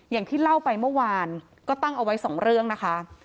อย่างที่เล่าไปเมื่อวานก็ตั้งเอาไว้สองเรื่องนะคะ